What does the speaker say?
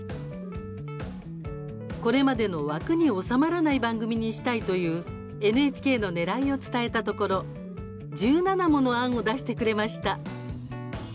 これまでの枠に収まらない番組にしたいというＮＨＫのねらいを伝えたところ１７もの案を出してくれました。